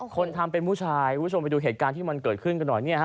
คนทำเป็นผู้ชายคุณผู้ชมไปดูเหตุการณ์ที่มันเกิดขึ้นกันหน่อยเนี่ยฮะ